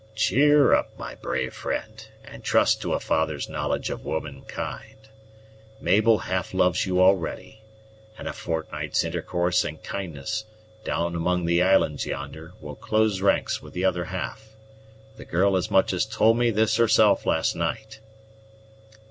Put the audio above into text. "Cheer up, my brave friend, and trust to a father's knowledge of womankind. Mabel half loves you already, and a fortnight's intercourse and kindness, down among the islands yonder will close ranks with the other half. The girl as much as told me this herself last night."